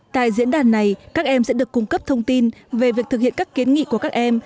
tại diễn đàn này các em sẽ được cung cấp thông tin về việc thực hiện các kiến nghị của các em